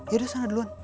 yaudah sana duluan